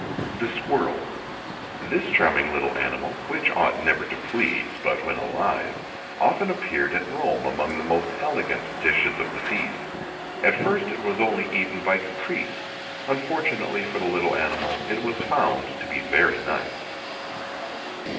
THE SQUIRREL. This charming little animal, which ought never to please but when alive, often appeared at Rome among the most elegant dishes of the feast.[XIX 111] At first it was only eaten by caprice: unfortunately for the little animal, it was found to be very nice.